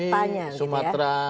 ini sumatera utara